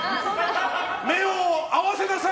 目を合わせなさい！